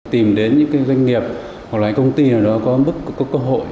tìm đến những doanh nghiệp hoặc là những công ty có cơ hội